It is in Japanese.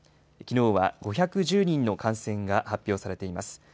きのうは５１０人の感染が発表されています。